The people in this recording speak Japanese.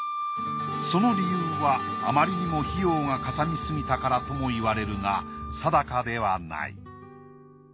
その理由はあまりにも費用が嵩みすぎたからとも言われるが定かではない。